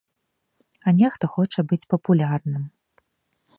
А нехта хоча быць папулярным.